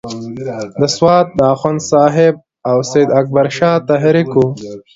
د سوات د اخوند صاحب او سید اکبر شاه تحریک وو.